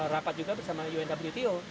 rapat juga bersama unwto